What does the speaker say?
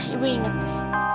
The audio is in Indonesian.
ibu inget bu